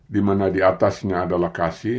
di mana diatasnya adalah kasih